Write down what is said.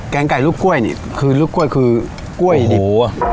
แกงไก่ลูกกล้วยเนี่ยคือลูกกล้วยคือกล้วยดีบโอ้โฮ